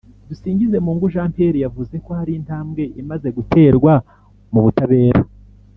Dusingizemungu Jean Pierre yavuze ko hari intambwe imaze guterwa mu butabera